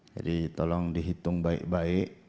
jadi tolong dihitung baik baik